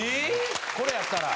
これやったら。